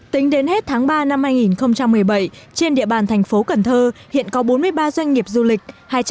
tính đến hết tháng ba năm hai nghìn một mươi bảy trên địa bàn thành phố cần thơ hiện có bốn mươi ba doanh nghiệp du lịch